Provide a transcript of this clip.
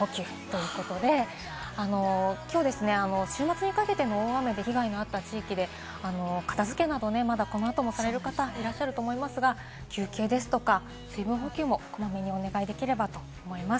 きょう週末にかけての大雨で被害のあった地域で片付けなど、まだ、この後もされる方いらっしゃると思いますが、休憩ですとか水分補給もこまめにお願いできればと思います。